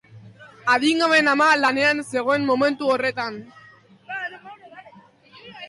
Adingabeen ama lanean zegoen momentu horretan.